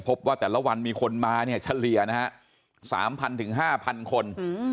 พบว่าแต่ละวันมีคนมาเนี้ยเฉลี่ยนะฮะสามพันถึงห้าพันคน